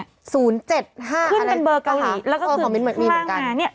๐๗๕อะไรค่ะคอมมินเหมือนมีเหมือนกันแล้วก็คือข้างล่างมา